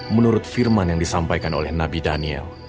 menurut firman yang disampaikan oleh nabi daniel